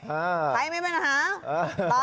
อ้าใครไม่เป็นปัญหา